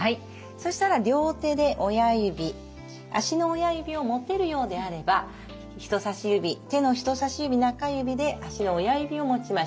そしたら両手で親指足の親指を持てるようであれば人さし指手の人さし指中指で足の親指を持ちましょう。